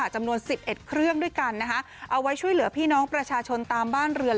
จำนวน๑๑เครื่องด้วยกันเอาไว้ช่วยเหลือพี่น้องประชาชนตามบ้านเรือน